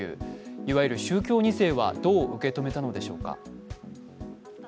いわゆる宗教２世はどう受け止めたのでしょうか。